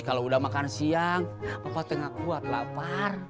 kalau udah makan siang bapak teh gak kuat lapar